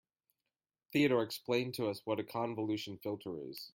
Theodore explained to us what a convolution filter is.